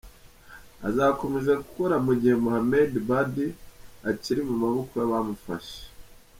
Azakomeza gukora mu gihe Mohamed Badie akiri mu maboko y’abamufashe.